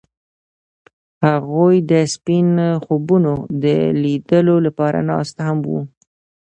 هغوی د سپین خوبونو د لیدلو لپاره ناست هم وو.